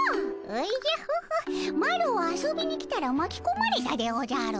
おじゃホホッマロは遊びに来たらまきこまれたでおじゃる。